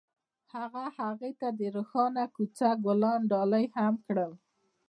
هغه هغې ته د روښانه کوڅه ګلان ډالۍ هم کړل.